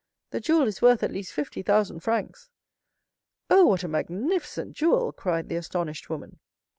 The jewel is worth at least fifty thousand francs." "Oh, what a magnificent jewel!" cried the astonished woman.